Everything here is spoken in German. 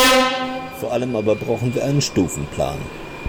Vor allem aber brauchen wir einen Stufenplan.